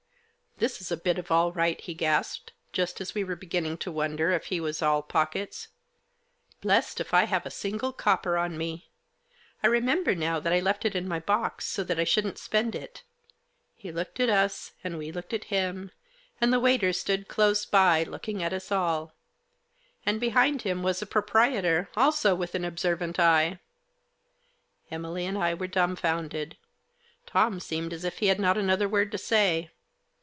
" This is a bit of all right ! 99 he gasped, just as we FIBANDOLO'S. 7 were beginning to wonder if he was all pockets. " Blessed if I have a single copper on me. I remember now that I left it in my box, so that I shouldn't spend it." He looked at us, and we looked at him, and the waiter stood close by, looking at us all. And behind him was the proprietor, also with an observant eye. Emily and I were dumbfounded. Tom seemed as if he had not another word to say.